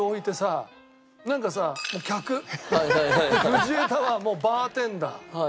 藤枝はもうバーテンダー。